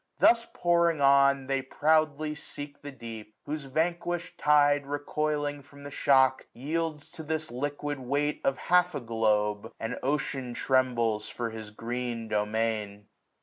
85 j Thus pouring on they proudly seek the deep. Whose vanquish'd tide, recoiling from the shock, M (2 SUMMER. Yields to this liquid weight of half the globe ; And Ocean trembles for his green domain.